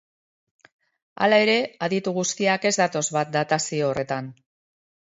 Hala ere, aditu guztiak ez datoz bat datazio horretan.